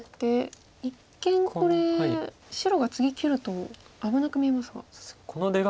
一見これ白が次切ると危なく見えますが。